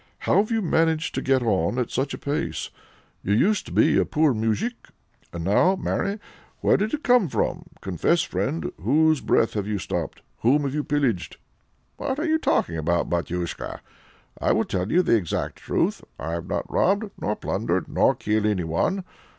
How have you managed to get on at such a pace? You used to be a poor moujik, and now marry! where did it come from? Confess, friend, whose breath have you stopped? whom have you pillaged?" "What are you talking about, batyushka? I will tell you the exact truth. I have not robbed, nor plundered, nor killed anyone.